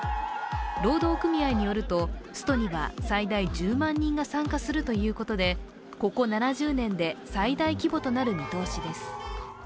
労働組合によるとストには最大１０万人が参加するということでここ７０年で最大規模となる見通しです。